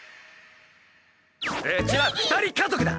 うちは２人家族だ！